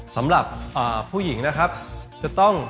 สำหรับผู้หญิงนะครับจะต้อง